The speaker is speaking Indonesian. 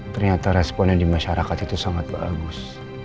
ternyata responnya di masyarakat itu sangat bagus